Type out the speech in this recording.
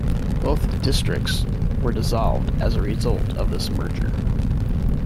Both districts were dissolved as a result of this merger.